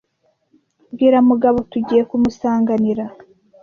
Bwira Mugabo tugiye kumusanganira